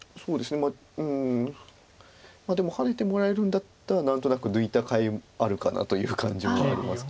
まあでもハネてもらえるんだったら何となく抜いたかいあるかなという感じもありますか。